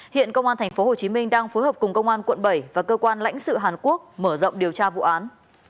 hiện công an tp hcm đang phối hợp cùng công an quận bảy và cơ quan lãnh sự hàn quốc mở rộng điều tra vụ án